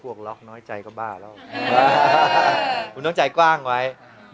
ล็อกน้อยใจก็บ้าแล้วคุณต้องใจกว้างไว้